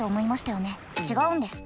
違うんです。